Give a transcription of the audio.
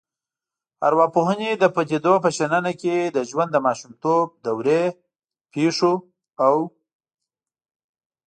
ارواپوهنې د پديدو په شننه کې د ژوند د ماشومتوب دورې پیښو او